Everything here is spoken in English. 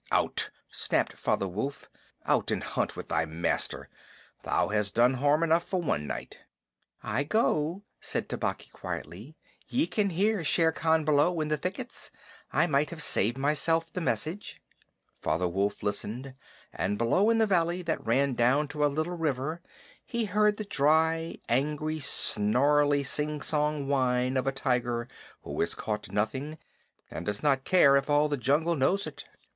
"Out!" snapped Father Wolf. "Out and hunt with thy master. Thou hast done harm enough for one night." "I go," said Tabaqui quietly. "Ye can hear Shere Khan below in the thickets. I might have saved myself the message." Father Wolf listened, and below in the valley that ran down to a little river he heard the dry, angry, snarly, singsong whine of a tiger who has caught nothing and does not care if all the jungle knows it.